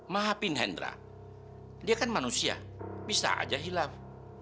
maafin hendra dia kan manusia bisa aja hilang